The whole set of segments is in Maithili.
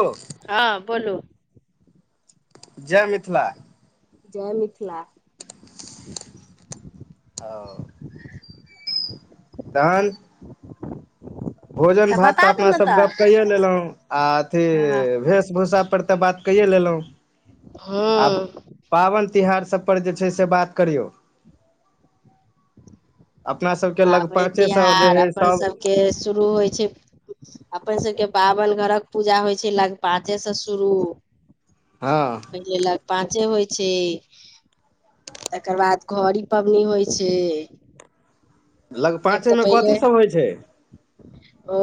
हो हाँ बोलू जय मिथिला जय मिथिला आ ओ तहन भोजन भात तऽ बता दे अपना ने सब तऽ गप कैेए लेलहुँ आ अथी भेस भूसा पर तऽ बात कैए लेलउ हाँ पाबन तिहार सबपर जे छै से बात करियौ अपना सबके लग पाबनि पाँचे सए जे तिहार है अपन सब सभके शुरू होइ छै अपन सबके पाबन घरक पूजा होइ छै लग पाचे से शुरू हाँ पहिले लग पांचे होय छै तकर बाद घड़ी पबनी होइ छै लग कियाक तऽ पाँचेमे कथी पहिले सभ होय छै ओ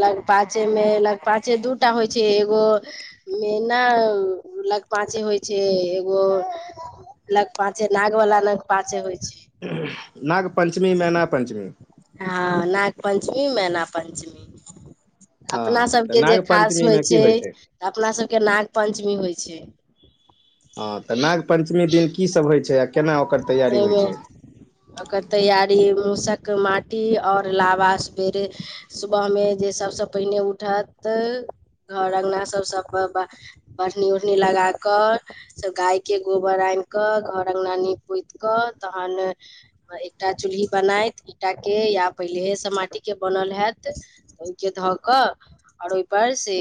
लग पांचे मे लगपांचे दूटा होय छै एगो मेना लग पांचे होइ छै एगो नग पाँचे नाग वाला नग पाँचे होय छै नाग पञ्चमी मैना पञ्चमी हाँ नाग पञ्चमी मैना पञ्चमी अपना हँ सभ तऽ के जे नाग खास पञ्चमी होइ मे की छै तऽ अपना सभ के नाग पञ्चमी होय छै हाँ तऽ नाग पञ्चमी दिन की सभ होय छै केना ओकर तैयारी होइ एहिमे छै ओकर तैयारी मूसक माटी आओर लाबा सवेरे सुबह मे जे सबसे पहिने उठत घर अंगना सब सब बढ़नी उढ़नी लगाक सब गाय के गोबर आन के घर अगना नीप कऽ पुइत कऽ तहन एकटा चूल्ही बनाइत ईटा के या पहिलेहे सँ माटी के बनल हयैत तऽ ओहिके धऽ कऽ आओर ओहि पर से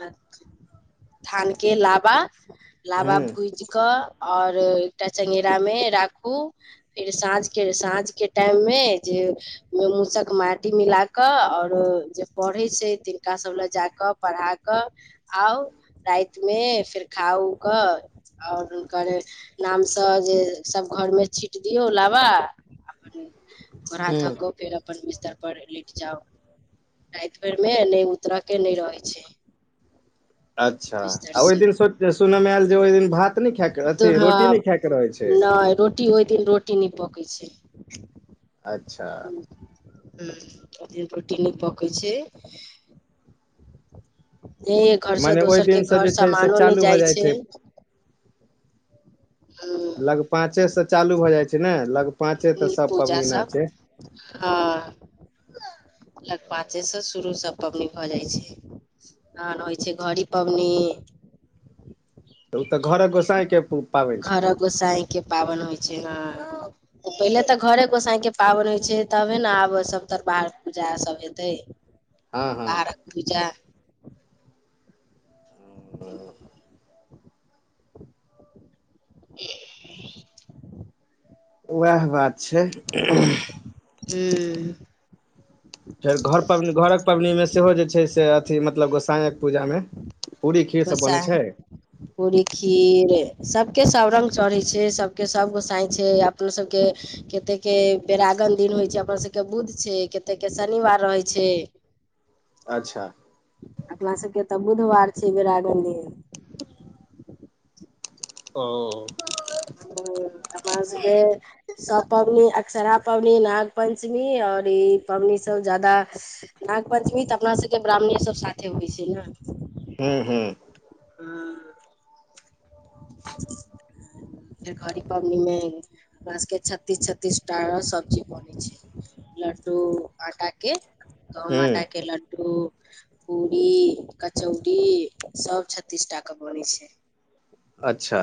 धान के लाबा लाबा हूँ भुजि कऽ आओर एकटा चङ्गेरा मे राखू फेर साँझ के साँझ के टाइम में जे मे मूसक माटी मिला कऽ आओर जे पढ़े छै तिनका सब ले जा क‌ऽ पढ़ा कऽ आउर राति मे फेर खा उ कऽ आओर हुनकर नाम त जे सब घर मे छीट दियऔ लाबा अपन घोड़ा हूँ थको फेर अपन अपन बिस्तर पर लेट जाउ राति भरि मे ने उतर के नहि रहै छै अच्छा बिस्तर आ ओहि से दिनो सुनयमे आयल जे ओहि दिन भात नहि खायके अथि रोटी हँ नहि खायके रहै छै नहि रोटी ओहि दिन रोटी नहि पकै छै अच्छा ह ओय दिन रोट नै पकै छै ए घर तऽ से मने ओहि दोसर के दिनसँ घर जे छै से सामानो नहि चालू भऽ जाइ छै हा लग पाचे से चालू भए जाय छै ने लग पाचे ते सब पबनी ना छै हाँ लगपाचे सँ शुरू सभ पाबनी भऽ जाइत छै हँ हँ होइ छै घड़ी पबनी तऽ ओ तऽ घर गोसाई के पाबनि छै घरक गोसाई के पाबनि होइ छै हँ तऽ पहिले तऽ घरे गोसाई के पाबनि होइ छै तबे ने आब सभ तर बाहर पूजा सभ हेतै [inaudible] बाहरक पुजा [inaudible] [unintelligible] उएह बात छै हू फेर घर पबनी घरक पबनी मे सेहो जे छै से अथी मतलब गोसाई साँझक पूजा में पूरी खीर सब बनै गोसाई छै पूरी खीर सभ के सभ रंग चढ़ै छै सभ के सभ गोसाई छै अपना सभ के कतेकके बेैरागन दिन होइत छै अपन सभके बुद्ध छै कतेक के शनिवार रहै छै अच्छा अपना सब के तऽ बुधवार छै बेरागन दिन ओ ओ अपना सभ के सभ पाबनी अकसरहारा पबनि नाग पञ्चमी और ई पाबनी सब ज्यादा नाग पञ्चमी तऽ अपना सभ के ब्राह्मणे सभ साथे होइ छै ने हूँ हूँ हँ फेर घड़ी पबनी में हमरा सबके छत्तीस छत्तीस टा सब्जी बनै छै लड्डू आटा के गहूम हूँ आटा के लड्डू पूड़ी कचौड़ी सब छत्तीस टा के बनै छै अच्छा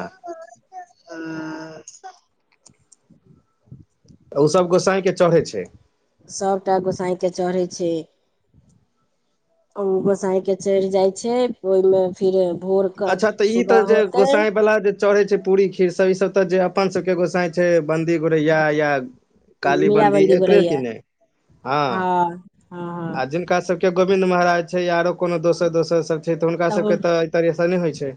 हँ ओसभ गोसाई के चढ़ै छै सभटा गोसाइ के चढ़ै छै गोसाई के चढ़ जाइ छै ओहिमे फिर भोरके अच्छा तऽ ई तऽ सुबह जे होते गोसाई वाला जे चढ़े छै पूरी खीर सब ई सब त जे अपन सबके के गोसाई बंदी गोड़ैया या काली बन्दी मीराबन्दी एकरे गोरैया की नहि हँ हँ आ हँ जिनका सब के गोविंन्द महाराज छै या आरो कोनो दोसर दोसर सब छै तऽ हुनका सब के त तरहस होइ छै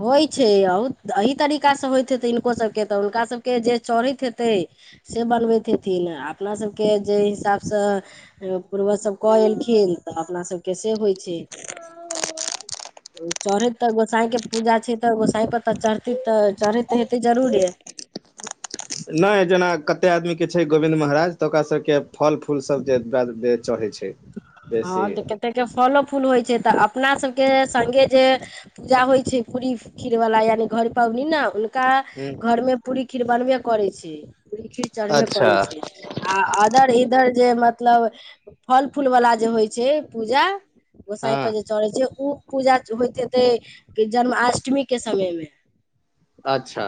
होइत छैहुत एह तरीका सँ होइत हेतै हिनकोसभके तऽ हुनकास सभके जे चढ़ैत हेतै से बनबैत हेथिन अपना सभके जे हिसाब सँ पूर्वज सभ कऽ एलखिन तऽ अपना सभके से होइ छै चरैत तऽ गोसाई पूजा छै तऽ गोसाई पर तऽ चढ़तै तऽ चढ़ैत हेतै जरूरे नहि जेना कतेक आदमी के छै गोविन्द महाराज तऽ ओकरा सभके फल फूल सब जे चढ़ै छै बेसी हँ तऽ कतेक के फलो फूल होइ छै तऽ अपना सबके सगे जे पूजा होइ छै पूरी खीर वाला यानि घर पबनि ने का ह घर में पूरी खीर बनबे करै छै पूरी खीर चढ़बे अच्छा करै छै आ अदर इधर जे मतलब फल फूल वाला जे होइ छै पूजा गोसाई हँ पर जे चढ़े छै ओ पूजा होइत हेतै जन्माष्टमी के समयमे अच्छा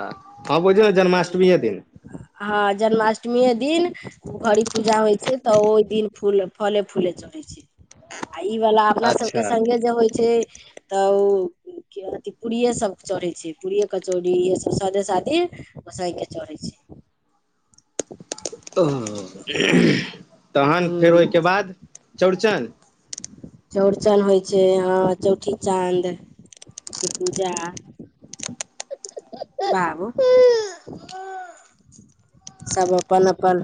हँ बुझियौ ने जन्माष्टमीये दिन हँ जन्माष्टमीये दिन घड़ी पूजा होइ छै तऽ ओहि दिन फूल फले फूले चढ़ै छै आ ई वला अपना अच्छा सबके संगे जे होइ छै त उ के अथी पूड़िये सब चढ़ै छै पूड़िये कचौड़ी इहे सब सदे सादि गोसाँई के चढ़ै छै ओ तहन फेर हूँ ओहिके बाद चौड़चन चौरचन होइ छै हँ चौठी चाँद फेर पूजा बाबू सब अपन अपन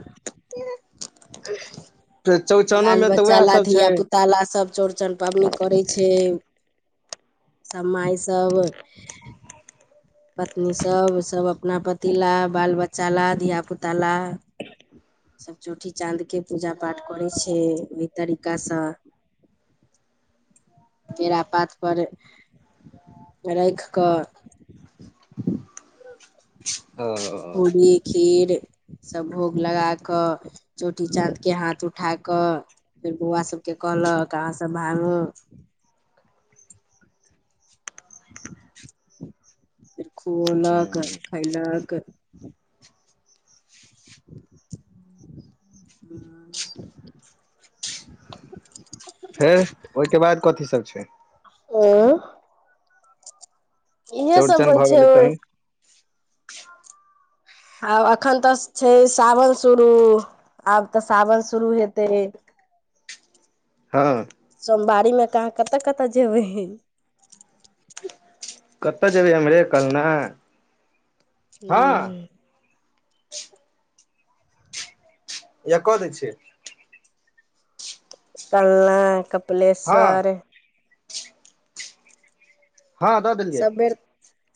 चौड़चनो बाल मे तऽ उएह बच्चाला सब छै धिया पुता ला सब चौड़चन पबनी करै छै सभ माय सब पत्नी सभ सभ अपना पति ला बाल बच्चा ला धियापुता ला सभ चौठी चाँदके पूजा पाठ करै छै ओहि तरीकासँ केड़ा पात पर राखि कऽ ओ पूरी खीरसभ भोग लगा कऽ चौठी चाँद के हाथ उठा कऽ फेर बौआ सभके कहलक अहाँसभ भांगू फिर खुऔलक खैलक [inaudible] [inaudible] फेर ओहिके बाद कथी सब छै उंम्म इहे सब चौड़चन होइ भऽ छै गेलै तहन आब एखन तऽ छै सावन शुरू आब तऽ सावन शुरू हेतै हँ सोमवारी मे कहाँ कतऽ कतय जेबै कतऽ जेबै एम्हरे कलना हँ हैये कऽ दैत छियै कलना हँ कपिलेश्वर हँ दऽ देलियै सब बेर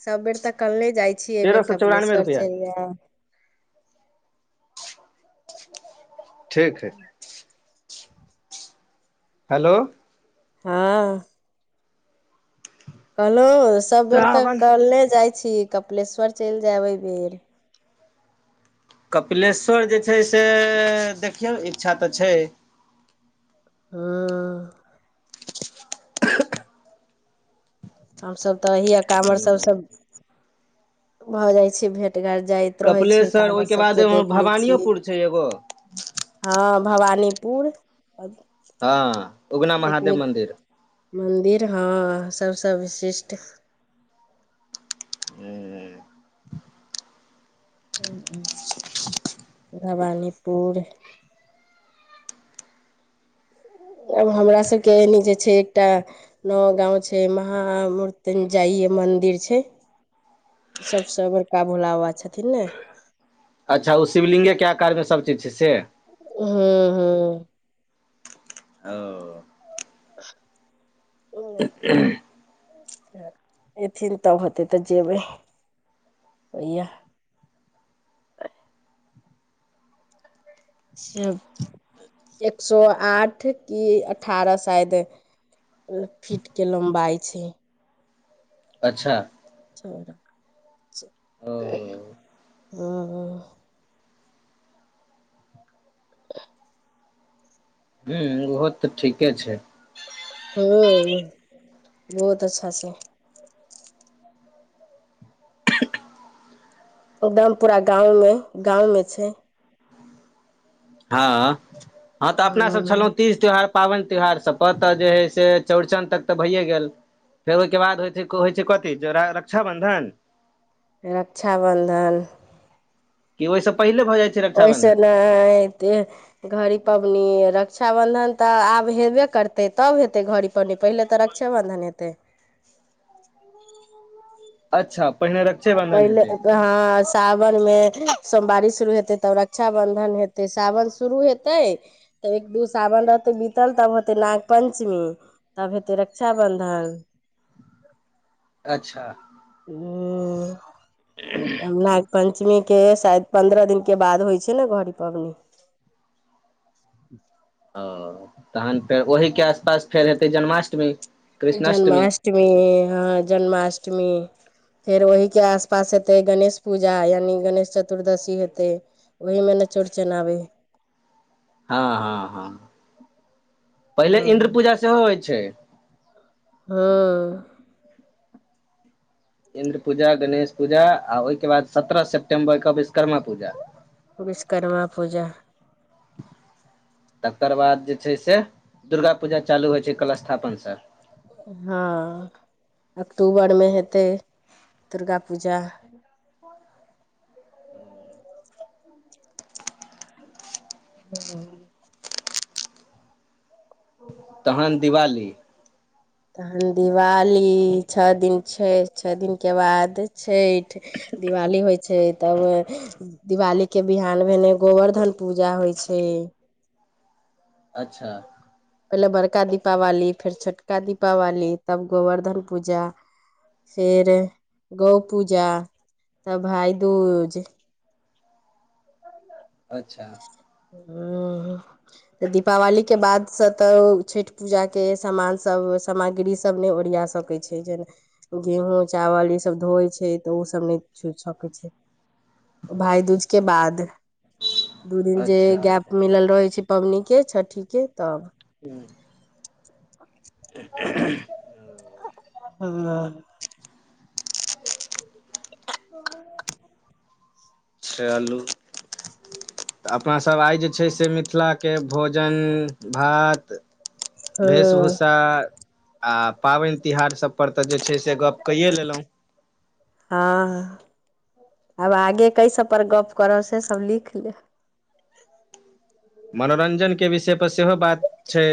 सब बेर तऽ कलने जाइ छी एहिबेर तेरह सए चौरानबे कपिलेश्वर रुपैआ चलि जेब ठीक हय हैलो हँ कहलौं सब बेर तऽ सावन कलने जाइ छी कपिलेश्वर चलि जायब एहिबेर कपिलेश्वर जे छै से देखियौ इच्छा तऽ छै हूँ हम सब तऽ अहियऽ काँवर सब सँ भऽ जाइ छियै भेंट घांट जाय त रहै छै कपिलेश्वर काँवर ओहिके बाद सबके देख लैत छी भवानियोपुर छै एगो हँ भवानीपुर हँ उगना एक महादेव बेर मन्दिर मन्दिर हँ सबसँ विशिष्ट भवानीपुर आब हमरा सबके एहिमे जे छै एकटा नव गाँव छै महामृनतुंजाइए मन्दिर छै सबसँ बड़का भोला बाबा छथिन ने अच्छा ओ शिवलिंगे के आकारमे सभचीज छै से हूँ हूं हूं ओ [unintelligible] ह [unintelligible] एथिन तब होतै तऽ जेबै होइय से एक सए आठ कि अठारह शायद फिट के लम्बाई छै अच्छा [unintelligible] ओ ओ हूँ ओहो तऽ ठीके छै ह बहुत अच्छा छै एकदम पूरा गांव में गाँंव में छै हँ हँ तऽ अपनासब छलहुँ तीज त्यौहार पाबनि त्योहार सबपर तऽ जे हइ से चौरचन तक तऽ भइए गेल फेर ओइके बाद होय छै क होय छै कथी रक्षा बंधन रक्षाबन्धन कि ओइसे पहिले भऽ जाय ओहिसे नहि एते घड़ी पबनि रक्षाबन्धन तऽ आब हेबे करतै तब हेतै घड़ी पहिले तऽ रक्षाबंधन हेतै अच्छा पहिने रक्षेबंधन पहिले हेतै हँ सावन मे सोमवारी शुरू हेतै तब रक्षााबंधन हेतै सावन शुरू हेतै तै तब एक दू सावन रहतै बीतल तब होतै नाग पञ्चमी तब हेतै रक्षााबन्धन अच्छा ओ नागपंचमी पञ्चमीके शायद पन्द्रह दिनके बाद होइ छै ने घड़ी पबनी ओ तहन फेर ओहिके आसपास फेर हेतै जन्माष्टमी कृष्णाष्टमी जन्माष्टमी हँ जन्माष्टमी फेर ओहीके आस पास हेतै गणेश पूजा यानि गणेश चतुर्दशी हेतै ओहि मे ने चौरचन आबै हाँ हाँ हाँ ह पहिले इन्द्र पूजा सेहो होइ छै हाँ इन्द्र पूजा गणेश पूजा आ ओहिके बाद सत्रह सेप्टेम्बरके विश्वकर्मा पूजा विश्वकर्मा पूजा तकर बाद जे छै से दुर्गा पूजा चालू होइ छै कलशथापन से हाँ अक्टूबरमे हेतै दुर्गा पूजा ह्म तहन दिवाली तहन दिवाली छ दिन छै छ दिनके बाद छठि दिवाली होइ छै तब दिवालीके बिहान भने गोबर्धन पूजा होय छै अच्छा पहिले बड़का दीपावली फेर छोटका दीपावली तब गोवर्धन पूजा फिर गौ पूजा तब भाइदूज अच्छा ह्म ह [unintelligible] ऽ दीपावलीके बादसँ तऽ छठि पूजाके समान सब सामग्री सब नहि ओरिया सकै छै गेहूँ चावल ई सब धोइ छै तऽ ओ सब नहि छु सकै छै भाई दूज के बाद दू दिन जे अच्छा गैप अच्छा मिलल रहै छै पबनिके छठिके तब [unintelligible] हूँ [unintelligible] चलू तऽ अपनासभ आई जे छै से मिथिलाके भोजन भात भेश भूषा आ पाबनि तिहार सब पर तऽ जे छै से गप कैए लेलउ हाँ आब आगे कै सब पर गप करब से सब लिख ले मनोरञजनके विषय पर सेहो बात छै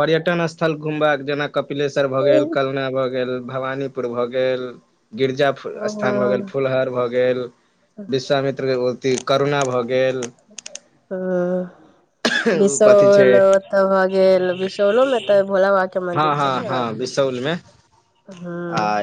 पर्यटन स्थल घुमबाक जेना कपिलेश्वर भऽ गेल हँ कलना भऽ गेल भवानीपुर भऽ गेल गिरजा स्थान भऽ गेल फुलहर भऽ गेल विश्वामित्र अथी करुणा भऽ गेल ह्म कथी छै बिशौल तऽ भए गेल बिशौलोमे तऽ भोला बाबाक के मंदिर छै ने चौल मे ह्म आ